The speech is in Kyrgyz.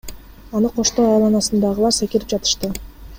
Аны коштой айланасындагылар секирип жатышты.